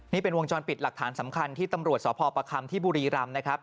นี่เป็นวงจรปิดหลักฐานสำคัญที่ตำรวจสพประคัมที่บุรีรำนะครับ